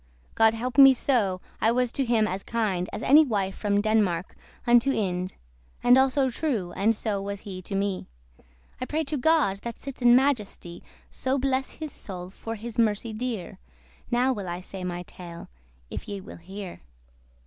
God help me so, I was to him as kind As any wife from Denmark unto Ind, And also true, and so was he to me: I pray to God that sits in majesty So bless his soule, for his mercy dear. Now will I say my tale, if ye will hear.